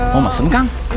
mau mesen kang